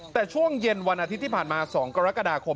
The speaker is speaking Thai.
แต่ช่วงเย็นวันอาทิตย์ที่ผ่านมา๒กรกฎาคม